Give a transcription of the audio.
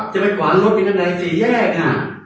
จะไปกวางรถไปที่แล้วไหน๔แยก